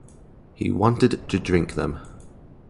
He wanted to drink them.